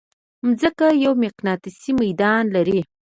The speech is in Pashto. مځکه یو مقناطیسي ميدان لري.